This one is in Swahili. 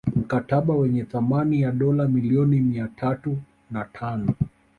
Mkataba wenye thamani ya dola milioni mia tatu na tano